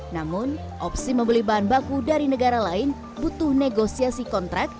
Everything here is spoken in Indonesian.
namun opsi membeli bahan baku dari negara lain butuh negosiasi kontrak